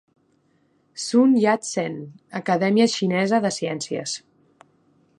Sun Yat-Sen, Acadèmia Xinesa de Ciències.